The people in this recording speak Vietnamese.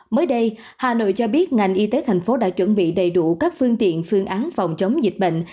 mới đây hà nội cho biết ngành y tế thành phố đã chuẩn bị đầy đủ các phương tiện phương án phòng chống dịch bệnh